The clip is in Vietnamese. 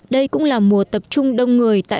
đây cũng là mùa tập trung đông người